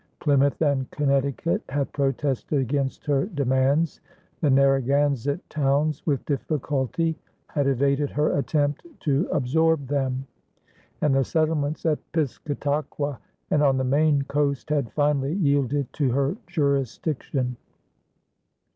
Plymouth and Connecticut had protested against her demands; the Narragansett towns with difficulty had evaded her attempt to absorb them; and the settlements at Piscataqua and on the Maine coast had finally yielded to her jurisdiction.